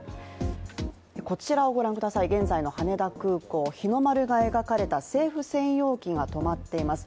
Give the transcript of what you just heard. こちらをご覧ください、現在の羽田空港、日の丸が描かれた政府専用機が止まっています。